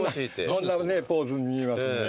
そんなポーズに見えますね。